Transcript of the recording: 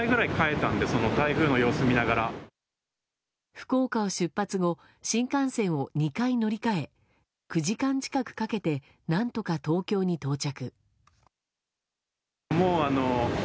福岡を出発後新幹線を２回乗り換え９時間近くかけて何とか東京へ到着。